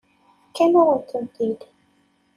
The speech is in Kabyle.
Fkan-awen-tent-id.